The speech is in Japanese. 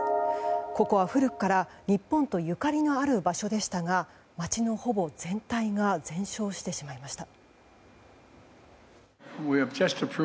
ここは古くから日本とゆかりがある場所でしたが街のほぼ全体が全焼してしまいました。